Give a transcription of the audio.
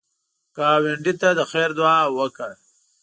ګاونډي ته د خیر دعا وکړه